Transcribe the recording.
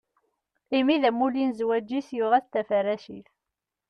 Imi d amulli n zzwaǧ-is, yuɣ-as-d taferracit.